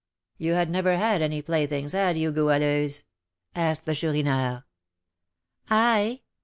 "You had never had any playthings, had you, Goualeuse?" asked the Chourineur. "I?